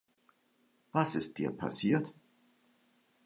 Was ist dir passiert?